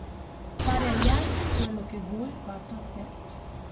Fare agli altri quello che vuoi fatto a te.